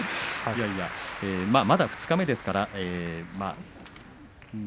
まだ二日目ですから。